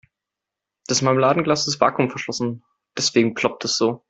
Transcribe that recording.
Das Marmeladenglas ist vakuumverschlossen, deswegen ploppt es so.